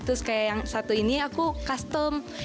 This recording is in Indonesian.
terus kayak yang satu ini aku custom